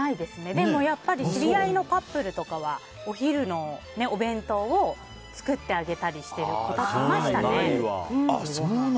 でも、知り合いのカップルとかはお昼のお弁当を作ってあげたりしてる人いましたね。